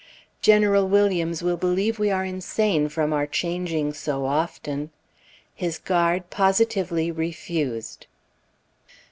General Williams will believe we are insane from our changing so often. His guard positively refused.